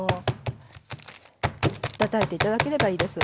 たたいて頂ければいいです。